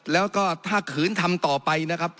แล้วก็ถ้าขืนทำต่อไปนะครับ